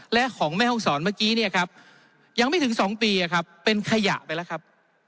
และของแม่ห้องศรเมื่อกี้เนี่ยครับยังไม่ถึง๒ปีเป็นขยะไปแล้วครับ